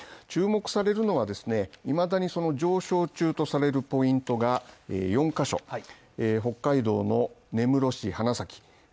注目されるのはですね、いまだにその上昇中とされるポイントが４ヶ所北海道の根室市花咲